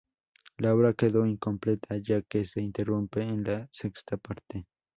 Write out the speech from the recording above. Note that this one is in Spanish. La obra quedó incompleta ya que se interrumpe en la sexta parte.